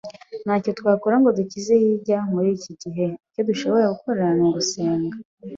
Ntacyo twakora ngo dukize hirwa muri iki gihe. Icyo dushobora gukora ni ugusenga.